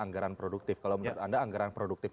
anggaran produktif kalau menurut anda anggaran produktif